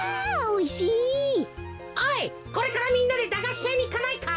おいこれからみんなでだがしやにいかないか？